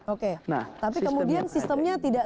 oke tapi kemudian sistemnya tidak